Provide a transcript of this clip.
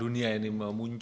beri tahu pada g magic